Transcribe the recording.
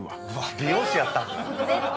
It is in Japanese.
美容師やったんかい。